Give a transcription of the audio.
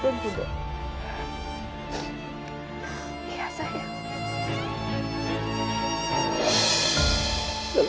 terima kasih bunda